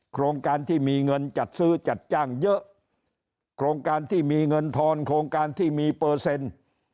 โครงการที่มีเงินจัดซื้อจัดจ้างเยอะโครงการที่มีเงินทอนโครงการที่มีเปอร์เซ็นต์